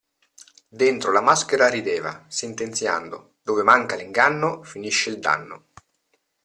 Dentro la maschera rideva, sentenziando: dove manca l'inganno, finisce il danno!